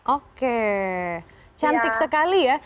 oke cantik sekali ya